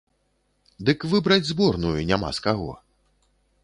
Дык выбраць зборную няма з каго.